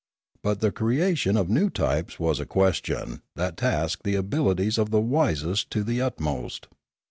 But the creation of new types was a question that tasked the abilities of the wisest to the utmost.